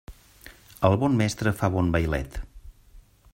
El bon mestre fa bon vailet.